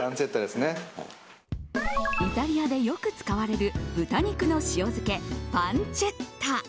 イタリアでよく使われる豚肉の塩漬け、パンチェッタ。